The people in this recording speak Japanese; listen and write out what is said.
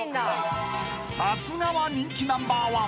［さすがは人気ナンバーワン］